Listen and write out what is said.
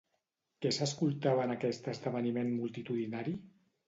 Què s'escoltava en aquest esdeveniment multitudinari?